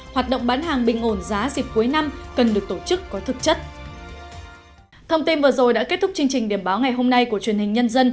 hoạt động bán hàng bình ổn giá dịp cuối năm cần được tổ chức có thực chất